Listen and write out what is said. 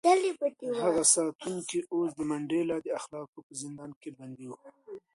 هغه ساتونکی اوس د منډېلا د اخلاقو په زندان کې بندي و.